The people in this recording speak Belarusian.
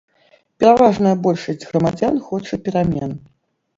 Пераважная большасць грамадзян хоча перамен.